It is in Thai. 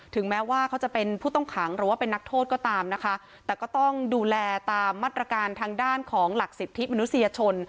แม้ว่าเขาจะเป็นผู้ต้องขังหรือว่าเป็นนักโทษก็ตามนะคะแต่ก็ต้องดูแลตามมาตรการทางด้านของหลักสิทธิมนุษยชน